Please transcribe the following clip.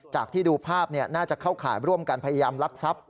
จากที่ดูภาพเนี่ยน่าจะเข้าข่ายร่วมการพยายามรักทรัพย์